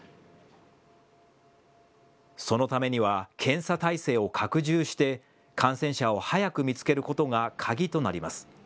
そのためには検査体制を拡充して感染者を早く見つけることが鍵となります。